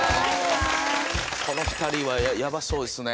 この２人はヤバそうですね。